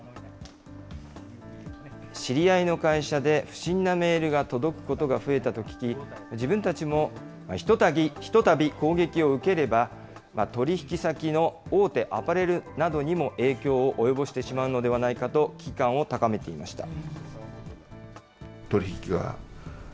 知り合いの会社で不審なメールが届くことが増えたと聞き、自分たちも、ひとたび攻撃を受ければ、取り引き先の大手アパレルなどにも影響を及ぼしてしまうのではないかと、危機感を高めていました。